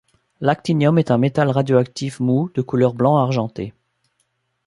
L'actinium est un métal radioactif mou de couleur blanc-argenté.